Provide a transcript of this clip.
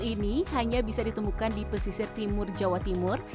ini hanya bisa ditemukan di pesisir timur jawa timur